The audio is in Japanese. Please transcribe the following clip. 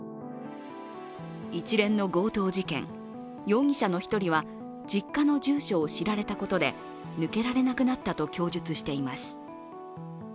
一連の強盗事件、容疑者の１人は実家の住所を知られたことで抜けられなくなったと供述しています。